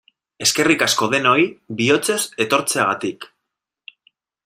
Eskerrik asko denoi bihotzez etortzeagatik!